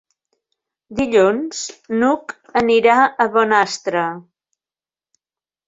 Dilluns n'Hug anirà a Bonastre.